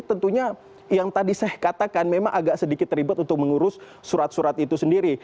tentunya yang tadi saya katakan memang agak sedikit ribet untuk mengurus surat surat itu sendiri